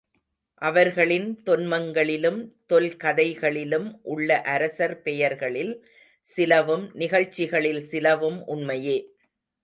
அவர்களின் தொன்மங்களிலும், தொல் கதைகளிலும் உள்ள அரசர் பெயர்களில் சிலவும், நிகழ்ச்சிகளில் சிலவும் உண்மையே!